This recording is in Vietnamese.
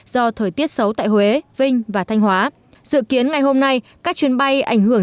do thời tiết xấu tại huế vinh và thanh hóa dự kiến ngày hôm nay các chuyến bay ảnh hưởng